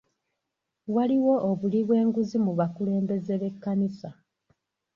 Waliwo obuli bw'enguzi mu bakulembeze b'ekkanisa.